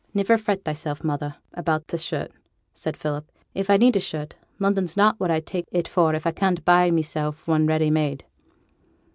'Niver fret thyself, mother, about t' shirt,' said Philip. 'If I need a shirt, London's not what I take it for if I can't buy mysel' one ready made.'